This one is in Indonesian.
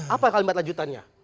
apa kalimat lanjutannya